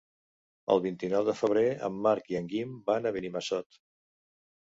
El vint-i-nou de febrer en Marc i en Guim van a Benimassot.